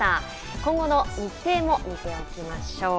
今後の日程も見ておきましょう。